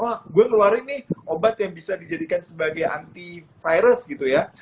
wah gue ngeluarin nih obat yang bisa dijadikan sebagai antivirus gitu ya